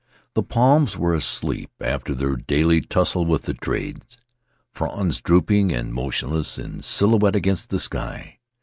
The palms were asleep after their daily tussle with the trade — fronds drooping and motionless in silhouette against the sky.